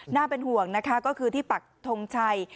น่าเป็นห่วงนะคะก็คือที่ปักทงชัย